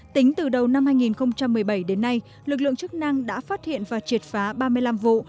tính từ đầu năm hai nghìn một mươi bảy đến nay lực lượng chức năng đã phát hiện và triệt phá ba mươi năm vụ